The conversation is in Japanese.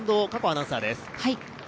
アナウンサーです。